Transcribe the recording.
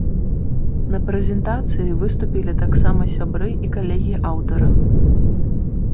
На прэзентацыі выступілі таксама сябры і калегі аўтара.